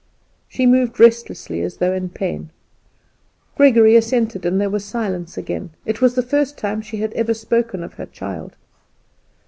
She moved restlessly as though in pain. Gregory assented, and there was silence again. It was the first time she had ever spoken of her child.